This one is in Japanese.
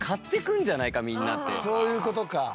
そういうことか。